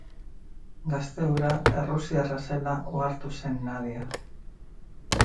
Gazte hura errusiarra zela ohartu zen Nadia.